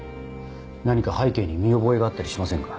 何か背景に見覚えがあったりしませんか？